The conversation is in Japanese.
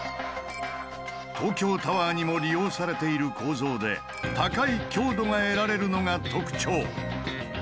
東京タワーにも利用されている構造で高い強度が得られるのが特徴。